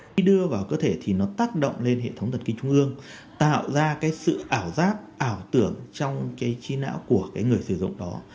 khi đưa vào cơ thể thì nó tác động lên hệ thống thần kinh trung ương tạo ra sự ảo giác ảo tưởng trong chi não của người sử dụng đó